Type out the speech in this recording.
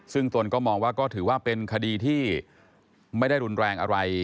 ซึ่งตนก็มองว่าก็ถือว่าเป็นคดีที่ไม่ได้รุนแรงอะไร